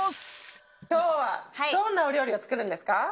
今日はどんなお料理を作るんですか？